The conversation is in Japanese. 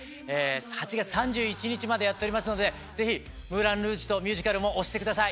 ８月３１日までやっておりますのでぜひ『ムーラン・ルージュ』とミュージカルも推してください。